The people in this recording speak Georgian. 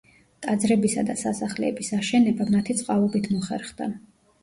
ტაძრებისა და სასახლეების აშენება მათი წყალობით მოხერხდა.